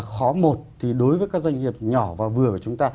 khó một thì đối với các doanh nghiệp nhỏ và vừa của chúng ta